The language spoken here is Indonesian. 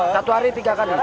satu hari tiga kali